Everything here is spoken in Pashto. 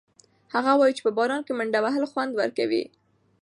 هغه وایي چې په باران کې منډه وهل خوند ورکوي.